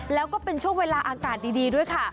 แล้วก็เป็นช่วงเวลาอากาศดีด้วยค่ะ